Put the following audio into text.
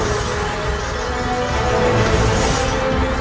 semuanya masih cantik juga